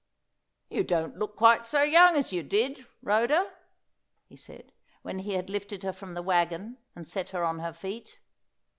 "You don't look quite so young as you did, Rhoda," he said when he had lifted her from the wagon and set her on her feet.